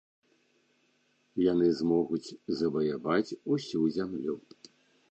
Яны змогуць заваяваць усю зямлю.